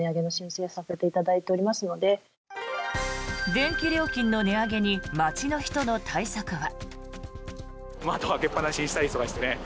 電気料金の値上げに街の人の対策は。